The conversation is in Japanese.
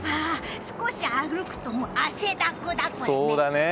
少し歩くと汗だくだくだね！